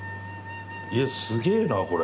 いやすげえなこれ。